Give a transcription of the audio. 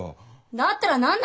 だったら何なの？